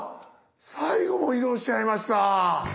最後も移動しちゃいました。